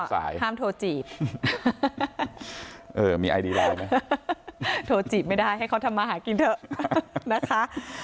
ห้ามโทรจีบโทรจีบไม่ได้ให้เขาทำมาหากินเถอะนะคะ